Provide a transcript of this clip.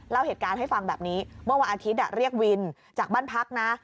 เล่าเหตุการณ์ให้ฟังแบบนี้เมื่อวันอาทิตย์เรียกวินจากบ้านพักนะ